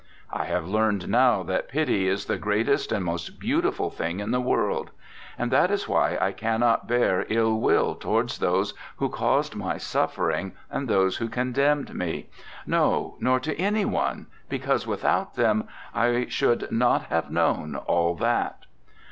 I have learned now that pity is the greatest and most beautiful thing in the world. And that is why I cannot bear ill will towards those who caused my suffering and those who condemned me; no, nor to any one, because without them I should not have known all that.